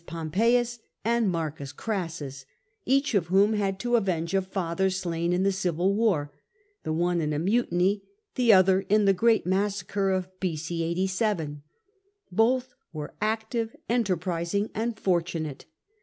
Pompeius and Marcus Crassus, each of whom had to avenge a father slain in the civil war, the one in a mutiny, the other in the great massacre of B.C. 87. Both were active, enterprising, and fortunate.